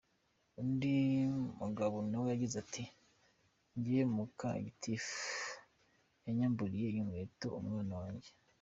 Undi mugabo nawe yagize ati “Njyewe muka Gitifu yanyamburiye inkweto umwana wanjye.